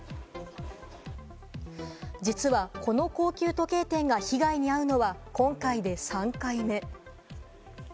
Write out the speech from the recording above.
実はこの高級時計店が被害に遭うのは今回で３回目。